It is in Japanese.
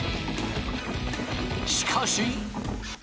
しかし。